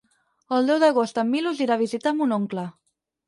El deu d'agost en Milos irà a visitar mon oncle.